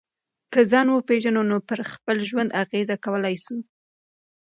که ځان وپېژنو نو پر خپل ژوند اغېزه کولای سو.